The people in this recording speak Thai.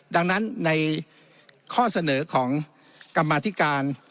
ดังนั้นในข้อเสนอของกรรมธิการ